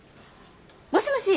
もしもし。